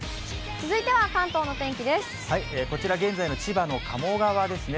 こちら、現在の千葉の鴨川ですね。